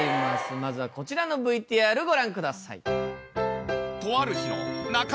まずはこちらのＶＴＲご覧ください。